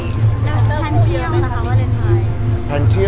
แล้วทางเที่ยวหรือคะวันเด็นไทย